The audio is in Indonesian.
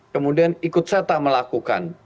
kemudian ikut serta melakukan